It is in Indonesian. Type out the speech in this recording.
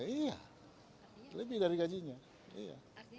iya lebih dari gajinya